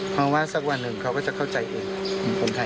เพราะว่าสักวันหนึ่งเขาก็จะเข้าใจอื่นคนไทยก็เข้าใจ